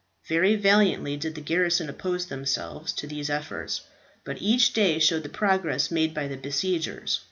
Very valiantly did the garrison oppose themselves to these efforts. But each day showed the progress made by the besiegers.